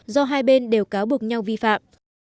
do hai bên đều cáo buộc nhau vi phạm